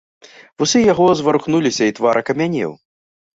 Вусы яго зварухнуліся і твар акамянеў.